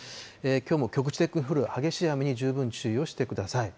きょうも局地的に降る激しい雨に十分注意をしてください。